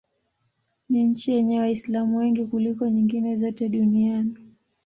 Ni nchi yenye Waislamu wengi kuliko nyingine zote duniani.